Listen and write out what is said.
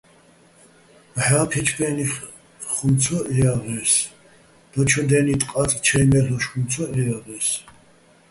ბჵა ფე́ჩფე́ნიხ ხუმ ცო ჺეჲაღე́ს, დაჩო დე́ნი ტყაწ ჩაჲ მე́ლ'ოშ ხუმ ცო ჺეჲაღე́ს.